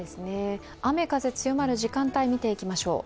雨風強まる時間帯見ていきましょう。